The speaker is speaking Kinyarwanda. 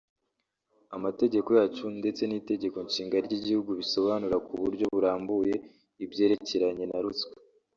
amategeko yacu ndetse n’itegeko nshinga ry’igihugu bisobanura ku buryo burambuye ibyerekeranye na ruswa